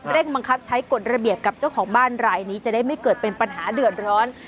บังคับใช้กฎระเบียบกับเจ้าของบ้านรายนี้จะได้ไม่เกิดเป็นปัญหาเดือดร้อน